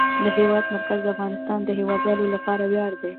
د هېواد مرکز د افغانستان د هیوادوالو لپاره ویاړ دی.